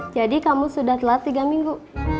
jadi kamu sudah telat tiga minggu